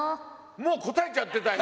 もう答えちゃってたよ。